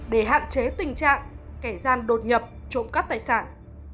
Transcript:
để hạn chế tình trạng kẻ gian đột nhập trộm cắp tài sản